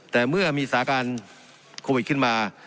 แต่เมื่อมีสาการโควิดขึ้นมา